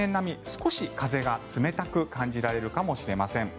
少し風が冷たく感じるかもしれません。